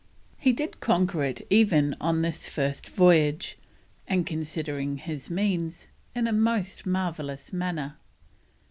He did conquer it even on this first voyage, and, considering his means, in a most marvellous manner.